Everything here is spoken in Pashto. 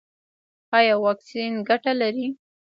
ایا واکسین ګټه لري؟